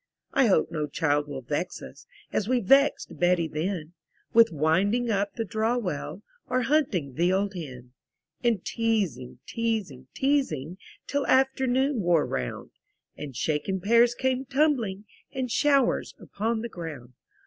I hope no child will vex us, As we vexed Betty then, With winding up the draw well, Or hunting the old hen. And teazing, teazing, teazing, Till afternoon wore 'round. And shaken pears came tumbling In showers upon the ground.